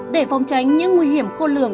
để phòng tránh những nguy hiểm khôn lường